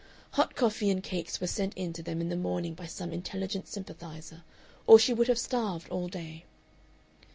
Hot coffee and cakes were sent in to them in the morning by some intelligent sympathizer, or she would have starved all day.